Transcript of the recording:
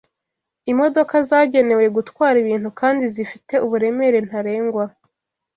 Imodoka zagenewe gutwara ibintu kandi zifite uburemere ntarengwa